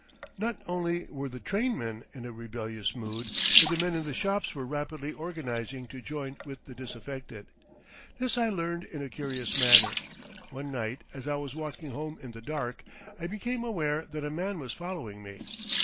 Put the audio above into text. Not only were the trainmen in a rebellious mood, but the men in the shops were rapidly organizing to join with the disaffected. This I learned in a curious manner. One night, as I was walking home in the dark, I became aware that a man was following me.